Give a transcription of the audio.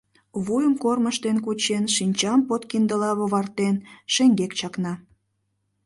Вуйым кормыжтен кучен, шинчам подкиндыла овартен, шеҥгек чакна.